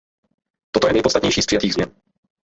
Toto je nejpodstatnější z přijatých změn.